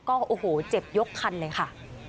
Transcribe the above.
โอ้โหเจ็บยกคันเลยค่ะ